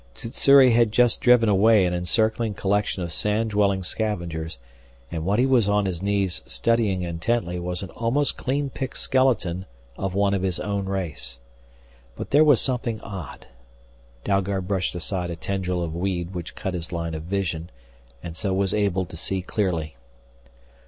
Sssuri had just driven away an encircling collection of sand dwelling scavengers, and what he was on his knees studying intently was an almost clean picked skeleton of one of his own race. But there was something odd Dalgard brushed aside a tendril of weed which cut his line of vision and so was able to see clearly.